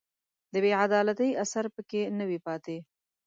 د بې عدالتۍ اثر په کې نه وي پاتې